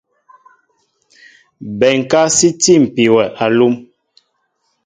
Bɛnká sí tîpi wɛ alúm.